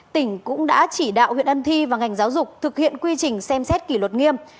tỉnh cũng đã chỉ đạo huyện ân thi và ngành giáo dục thực hiện quy trình xem xét kỷ luật nghiêm